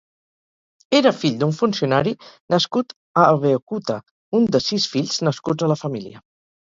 Era fill d'un funcionari nascut a Abeokuta, un de sis fills nascuts a la família.